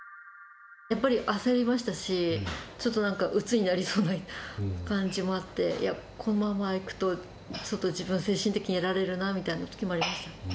やっぱり焦りましたし、ちょっとなんか、うつになりそうな感じもあって、このままいくと、ちょっと自分、精神的にやられるなみたいなときもありました。